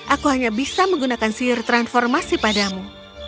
aku hanya bisa menggunakan sihir transformasi padamu